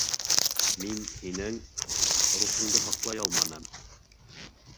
Мин һинең... рухыңды һаҡлай алманым!